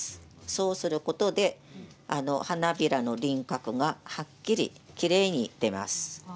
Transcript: そうすることで花びらの輪郭がはっきりきれいに出ます。